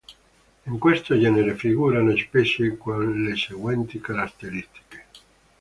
In questo genere figurano specie con le seguenti caratteristiche.